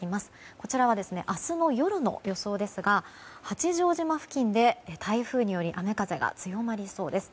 こちらは明日の夜の予想ですが八丈島付近で、台風により雨風が強まりそうです。